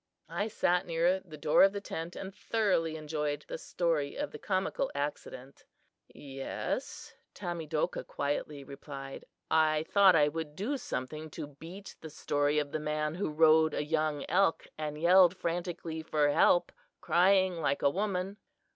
I sat near the door of the tent, and thoroughly enjoyed the story of the comical accident. "Yes," Tamedokah quietly replied, "I thought I would do something to beat the story of the man who rode a young elk, and yelled frantically for help, crying like a woman."